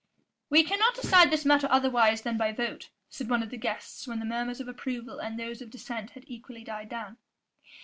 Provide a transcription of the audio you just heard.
"We cannot decide this matter otherwise than by vote," said one of the guests when the murmurs of approval and those of dissent had equally died down.